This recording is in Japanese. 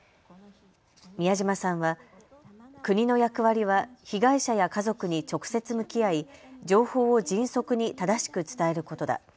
美谷島さんは国の役割は被害者や家族に直接向き合い情報を迅速に正しく伝えることだ。